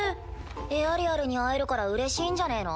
エアリアルに会えるからうれしいんじゃねぇの？